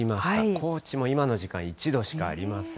高知も今の時間、１度しかありません。